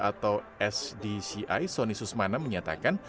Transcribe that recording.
atau sdci soni susmana menyatakan